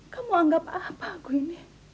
kamu anggap apa aku ini